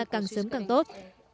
càng sớm càng tốt